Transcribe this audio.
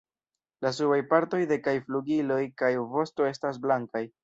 La subaj partoj de kaj flugiloj kaj vosto estas blankaj.